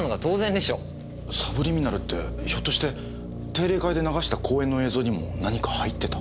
サブリミナルってひょっとして定例会で流した講演の映像にも何か入ってた？